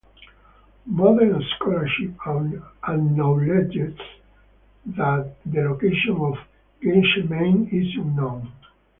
Modern scholarship acknowledges that the location of Gethsemane is unknown.